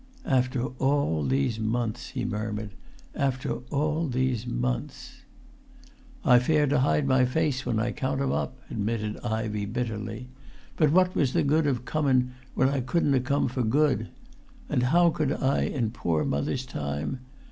"After all these months," he murmured; "after all these months!" "I fare to hide my face when I count 'em up," admitted Ivey, bitterly. "But what was the good of comun when I couldn't come for good? And how could I in poor mother's time?